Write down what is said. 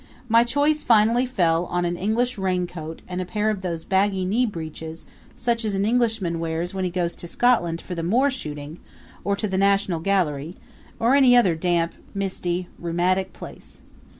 My choice finally fell on an English raincoat and a pair of those baggy knee breeches such as an Englishman wears when he goes to Scotland for the moor shooting, or to the National Gallery, or any other damp, misty, rheumatic place.